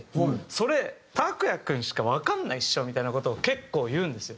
それＴＡＫＵＹＡ∞君しかわかんないでしょみたいな事を結構言うんですよ。